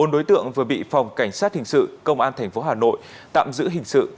bốn đối tượng vừa bị phòng cảnh sát hình sự công an tp hà nội tạm giữ hình sự